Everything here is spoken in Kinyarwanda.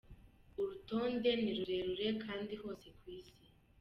Urutonde ni rurerure- kandi hose kw'isi,.